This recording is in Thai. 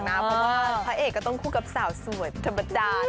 เพราะว่าพระเอกก็ต้องคู่กับสาวสวยธรรมดา